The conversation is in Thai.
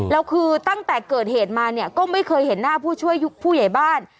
แล้วคือตั้งแต่เกิดเหตุมาเนี่ยก็ไม่เคยเห็นหน้าผู้ช่วยผู้ใหญ่บ้าน